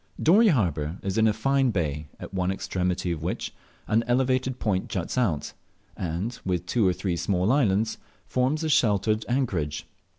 Dorey harbour is in a fine bay, at one extremity of which an elevated point juts out, and, with two or three small islands, forms a sheltered anchorage.